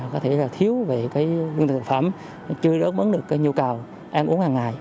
có thể là thiếu về cái lương thực thực phẩm chưa được ước mấn được cái nhu cầu ăn uống hằng ngày